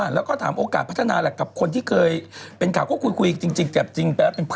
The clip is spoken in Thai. แล้วก็ถามโอกาสพัฒนาอะไรกับคนที่เคยเป็นข่าวคู่กูยจริงจริง